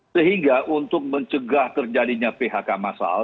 sehingga untuk mencegah terjadinya phk masal